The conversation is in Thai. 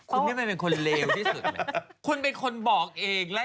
วันที่สุดท้าย